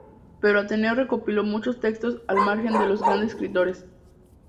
Pero Ateneo recopiló muchos textos al margen de los de los grandes escritores.